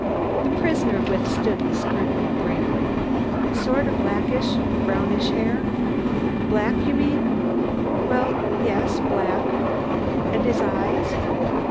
The prisoner withstood the scrutiny bravely. "Sort o' blackish, brownish hair." "Black, you mean?" "Well, yes black." "And his eyes?"